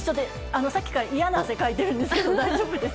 さっきから嫌な汗かいてるんですけど、大丈夫ですか。